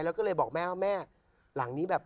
แล้วก็เลยบอกแม่ว่าแม่หลังนี้แบบ